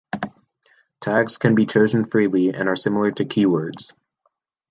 Tags can be chosen freely, and are similar to keywords.